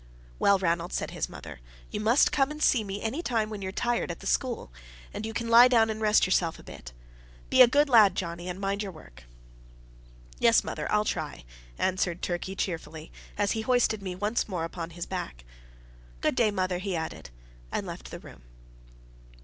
"Well, Ranald," said his mother, "you must come and see me any time when you're tired at the school, and you can lie down and rest yourself a bit. Be a good lad, Johnnie, and mind your work." "Yes, mother, I'll try," answered Turkey cheerfully, as he hoisted me once more upon his back. "Good day, mother," he added, and left the room.